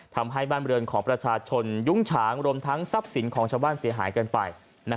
ทำให้บ้านบริเวณของประชาชนยุ้งฉางรวมทั้งทรัพย์สินของชาวบ้านเสียหายกันไป